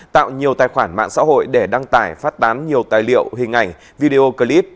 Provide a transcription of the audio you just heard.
tạo nhiều tài khoản mạng xã hội để đăng tải phát tán nhiều tài liệu hình ảnh video clip